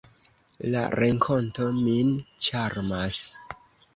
La renkonto min ĉarmas.